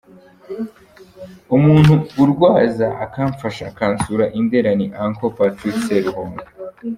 Umuntu undwaza, akamfasha, akansura i Ndera ni uncle Patrick Seruhuga.